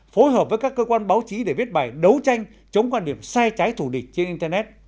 phối hợp với các cơ quan báo chí để viết bài đấu tranh chống quan điểm sai trái thủ địch trên internet